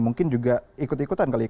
mungkin juga ikut ikutan kali